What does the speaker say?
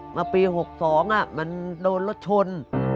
มาปี๖๒มันโดนรถชน